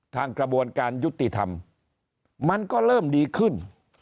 กระบวนการยุติธรรมมันก็เริ่มดีขึ้น